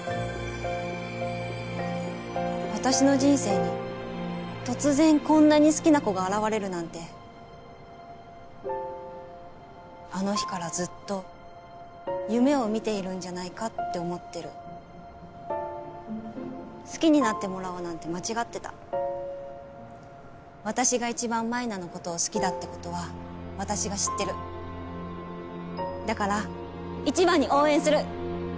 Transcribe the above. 私の人生に突然こんなに好きな子が現れるなんてあの日からずっと夢を見ているんじゃないかって思ってる好きになってもらおうなんて間違ってた私が一番舞菜のことを好きだってことは私が知ってるだから一番に応援する！